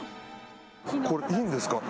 これ、いいんですか？